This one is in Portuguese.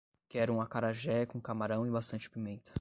Quero um acarajé com camarão e bastante pimenta